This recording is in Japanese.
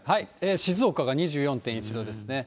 静岡が２４．１度ですね。